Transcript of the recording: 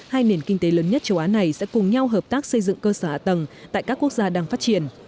hai nền kinh tế lớn nhất châu á này sẽ cùng nhau hợp tác xây dựng cơ sở hạ tầng tại các quốc gia đang phát triển